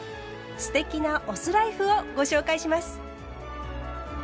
“酢テキ”なお酢ライフをご紹介します。